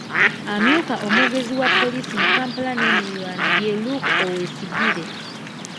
Amyuka omwogezi wa poliisi mu Kampala n'emiriraano y’e Luke Owoyesigyire.